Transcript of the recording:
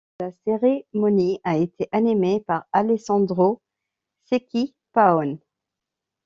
La cérémonie a été animé par Alessandro Cecchi Paone.